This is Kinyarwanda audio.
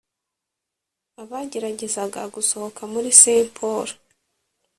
Abageragezaga gusohoka muri Saint Paul